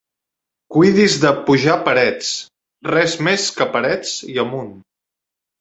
Cuidi-s de pujar parets, res més que parets, i amunt!